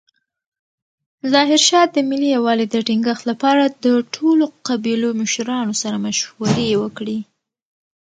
ظاهرشاه د ملي یووالي د ټینګښت لپاره د ټولو قبیلو مشرانو سره مشورې وکړې.